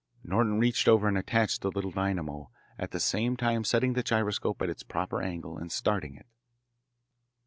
Norton reached over and attached the little dynamo, at the same time setting the gyroscope at its proper angle and starting it.